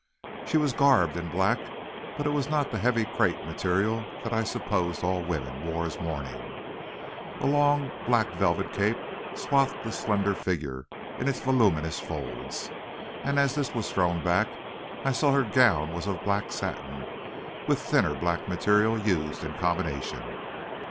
She was garbed in black, but it was not the heavy crape material that I supposed all women wore as mourning. A long black velvet cape swathed the slender figure in its voluminous folds, and as this was thrown back, I saw her gown was of black satin, with thinner black material used in combination.